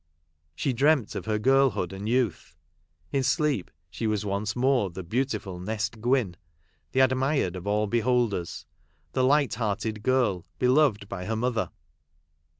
She dreamt of her girlhood and youth. In sleep she was once more the beautiful Nest Gwynn, the admired of all beholders, the light hearted girl, beloved by her mother.